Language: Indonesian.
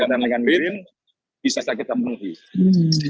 berkaitan dengan green bisa kita menghenti